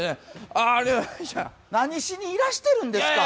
何しにいらしているんですか。